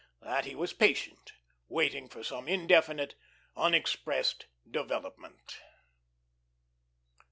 That he was patient, waiting for some indefinite, unexpressed development.